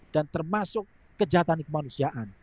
dan termasuk kejahatan kemanusiaan